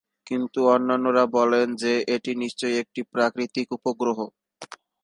কিন্তু অন্যান্যরা বলেন যে এটি নিশ্চয়ই একটি প্রাকৃতিক উপগ্রহ।